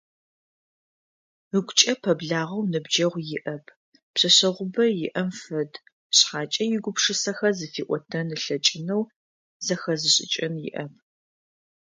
Ыгукӏэ пэблагъэу ныбджэгъу иӏэп, пшъэшъэгъубэ иӏэм фэд, шъхьакӏэ игупшысэхэр зыфиӏотэн ылъэкӏынэу, зэхэзышӏыкӏын иӏэп.